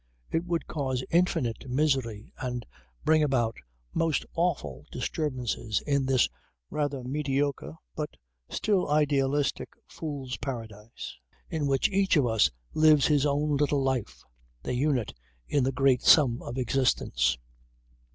It would cause infinite misery and bring about most awful disturbances in this rather mediocre, but still idealistic fool's paradise in which each of us lives his own little life the unit in the great sum of existence.